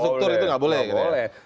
struktur itu nggak boleh boleh